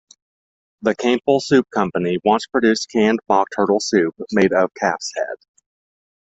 The Campbell Soup Company once produced canned mock turtle soup made of calf's head.